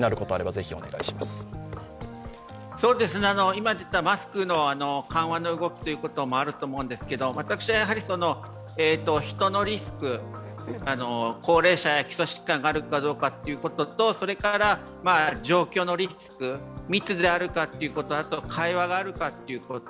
今、出たマスクの緩和の動きもあると思うんですけれども、私は人のリスク、高齢者や基礎疾患があるかどうかということと、状況のリスク、密であるかということ、会話があるかということ。